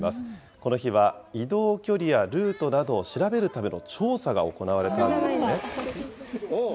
この日は移動距離やルートなどを調べるための調査が行われたんですね。